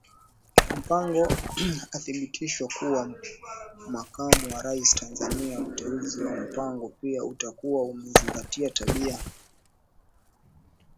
Mpango athibitishwa kuwa Makamu wa Rais TanzaniaUteuzi wa Mpango pia utakuwa umezingatia tabia